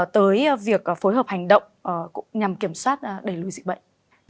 tới việc phối hợp hành động nhằm kiểm soát đẩy lùi dịch bệnh